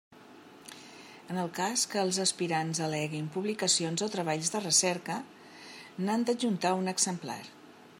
En el cas que els aspirants al·leguin publicacions o treballs de recerca, n'han d'adjuntar un exemplar.